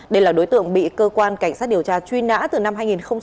đây là đối tượng bị cơ quan cảnh sát điều tra truy nã từ năm hai nghìn một mươi ba